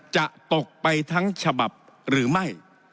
จะตกไปทั้งฉบับหรือไม่